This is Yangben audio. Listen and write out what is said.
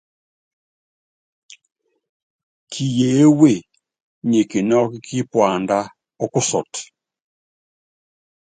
Kiyeéwe nyi kinɔ́kɔ́ kípuandá ɔ́kusɔt.